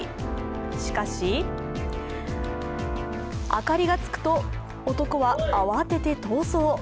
しかし、明かりがつくと男は慌てて逃走。